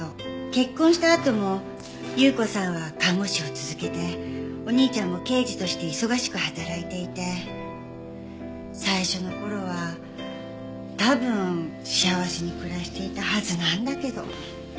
結婚したあとも有雨子さんは看護師を続けてお兄ちゃんも刑事として忙しく働いていて最初の頃は多分幸せに暮らしていたはずなんだけど。